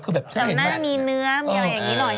แต่หน้ามีเนื้อมีอะไรอย่างนี้หน่อยนิดนึงใช่ไหม